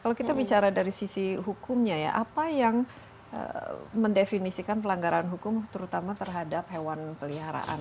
kalau kita bicara dari sisi hukumnya ya apa yang mendefinisikan pelanggaran hukum terutama terhadap hewan peliharaan